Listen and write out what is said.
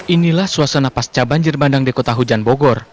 inilah suasana pasca banjir bandang di kota hujan bogor